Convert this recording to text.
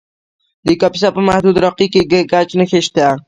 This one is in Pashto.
د کاپیسا په محمود راقي کې د ګچ نښې شته.